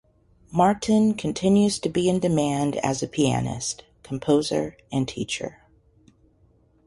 Martin continues to be in demand as a pianist, composer and teacher.